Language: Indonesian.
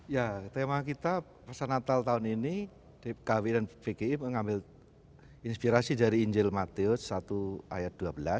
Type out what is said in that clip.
ya tema kita pesan natal tahun ini kw dan vgi mengambil inspirasi dari injil matius satu ayat dua belas